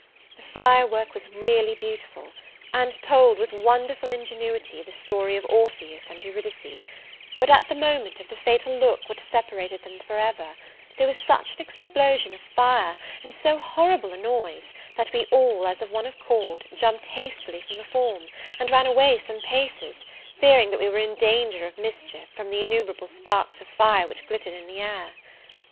The fire work was really beautiful; and told, with wonderful ingenuity, the story of Orpheus and Eurydice: but, at the moment of the fatal look which separated them for ever, there was such an explosion of fire, and so horrible a noise, that we all, as of one accord, jumpt hastily from the form, and ran away some paces, fearing that we were in danger of mischief, from the innumerable sparks of fire which glittered in the air.